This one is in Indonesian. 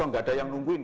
enggak ada yang nungguin